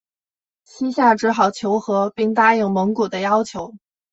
西夏只好求和并答应蒙古的要求。